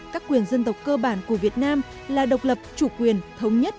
các quyền dân tộc cơ bản của việt nam là độc lập chủ quyền thống nhất